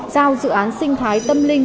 giao dự án sinh thái tâm linh